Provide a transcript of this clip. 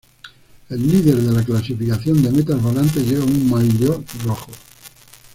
El líder de la clasificación de metas volantes lleva un maillot Rojo.